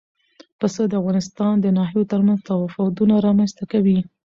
پسه د افغانستان د ناحیو ترمنځ تفاوتونه رامنځ ته کوي.